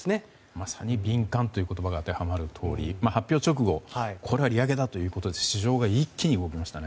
まさに敏感という言葉が当てはまるとおり、発表直後これは利上げだということで市場が一気に動きましたね。